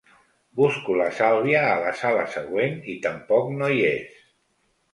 Busco la Sàlvia a la sala següent i tampoc no hi és.